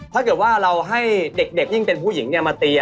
ถ้าเกิดว่าเราให้เด็กยิ่งเป็นผู้หญิงมาตี